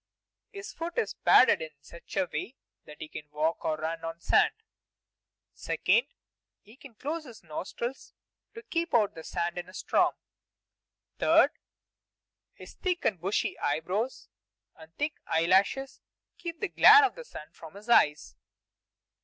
His foot is padded in such a way that he can walk or run on sand. 2. He can close his nostrils to keep out the sand in a storm. 3. His thick and bushy eyebrows and thick eyelashes keep the glare of the sun from his eyes.